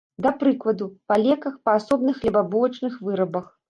Да прыкладу, па леках, па асобных хлебабулачных вырабах.